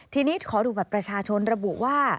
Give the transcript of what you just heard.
ทีนี้ขอดูบัตรประชาชนระบุว่า